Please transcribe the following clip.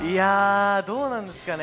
どうなんですかね？